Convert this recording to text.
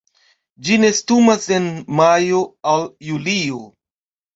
Ĝi nestumas en majo al julio.